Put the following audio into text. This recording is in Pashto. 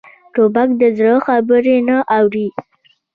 توپک د زړه خبرې نه اوري.